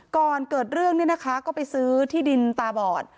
ก่อนเกิดเรื่องเนี่ยนะคะก็ไปซื้อที่ดินตาบอด